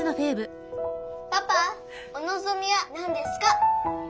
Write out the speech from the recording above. パパお望みは何ですか？